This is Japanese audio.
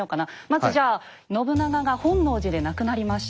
まずじゃあ信長が本能寺で亡くなりました。